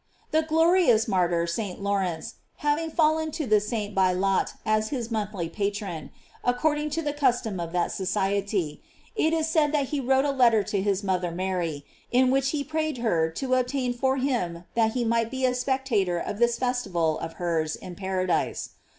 The glorious martyr St. Lawrence having fallen to the saint by lot as his monthly patron, according to the custom of that society, it is said that he wrote a letter to his mother Mary, in which he prayed her to obtain for him that he might be a spectator of this festival of hers in paradise.